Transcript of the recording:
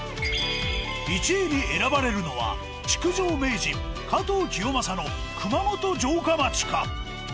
１位に選ばれるのは築城名人加藤清正の熊本城下町か？